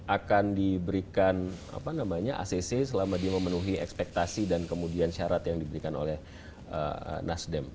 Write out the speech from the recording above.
akan diberikan acc selama dia memenuhi ekspektasi dan kemudian syarat yang diberikan oleh nasdem